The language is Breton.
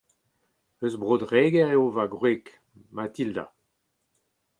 Eus Bro-Dreger eo ma gwreg Matilda.